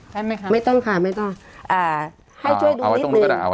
ใช่ไหมคะไม่ต้องค่ะไม่ต้องให้ช่วยดูนิดนึง